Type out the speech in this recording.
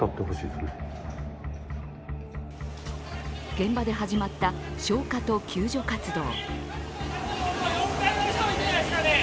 現場で始まった消火と救助活動。